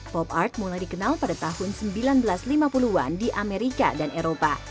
pop art mulai dikenal pada tahun seribu sembilan ratus lima puluh an di amerika dan eropa